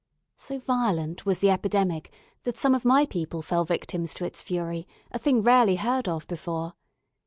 So violent was the epidemic, that some of my people fell victims to its fury, a thing rarely heard of before.